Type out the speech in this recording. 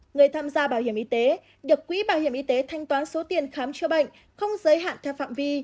người tham gia bảo hiểm y tế được quỹ bảo hiểm y tế thanh toán số tiền khám chữa bệnh không giới hạn theo phạm vi